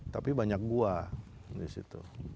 tapi banyak gua di situ